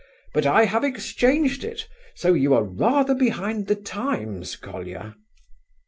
But I have exchanged it, so you are rather behind the times, Colia."